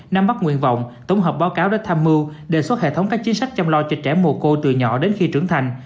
nắm bắt nguyện vọng tổng hợp báo cáo đến tham mưu đề xuất hệ thống các chính sách chăm lo cho trẻ em mồ côi từ nhỏ đến khi trưởng thành